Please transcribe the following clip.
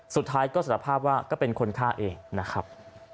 สุดท้ายก็สารภาพว่าก็เป็นคนฆ่าเองนะครับ